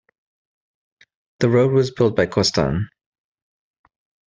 The road was built by Costain.